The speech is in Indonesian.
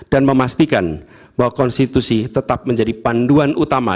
dan memastikan bahwa konstitusi tetap menjadi panduan utama